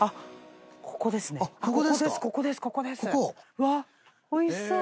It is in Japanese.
うわっおいしそう。